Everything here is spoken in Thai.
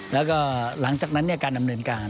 แล้วก็หลังจากนั้นการดำเนินการ